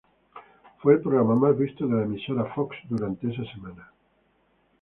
Fue el programa más visto de la emisora Fox durante esa semana.